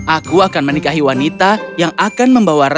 aku akan menikahi wanita yang akan membawa rasa